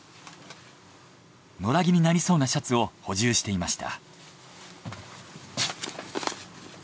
野良着になりそうなシャツを補充していました。